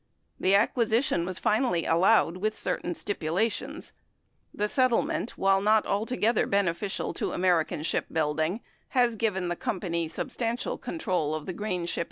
The acquisition was finallv allowed with certain stipulations. The settlement, while not altogether beneficial to American Ship Building, has given the companv substantial control of the grain shipping market on the Great Lakes.